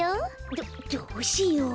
どどうしよう。